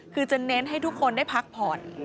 คือจะเน้นให้ทุกคนได้พักผ่อน